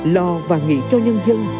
lo và nghĩ cho nhân dân